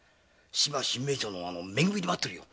芝神明町のめ組で待ってるよ。